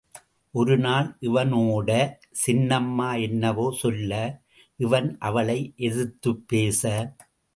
ஒரு நாள் இவனோட சின்னம்மா என்னவோ சொல்ல, இவன் அவளை எதிர்த்துப் பேச.